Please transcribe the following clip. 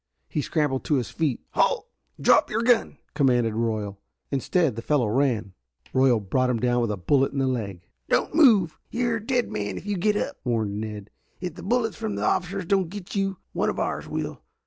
He scrambled to his feet. "Halt. Drop your gun!" commanded Royal. Instead the fellow ran. Royal brought him down with a bullet in the leg. "Don't move. You are a dead man if you get up!" warned Ned. "If the bullets from the officers don't get you, one of ours will.